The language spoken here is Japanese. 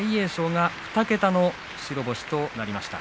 ２桁の白星となりました。